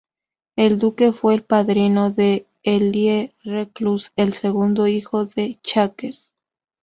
El duque fue el padrino de Élie Reclus, el segundo hijo de Jacques.